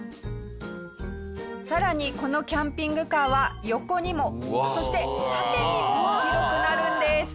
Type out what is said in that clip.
さらにこのキャンピングカーは横にもそして縦にも広くなるんです。